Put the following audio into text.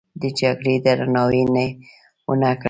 د جرګې درناوی یې ونه کړ.